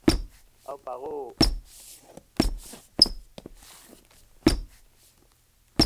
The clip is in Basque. Aupa gu!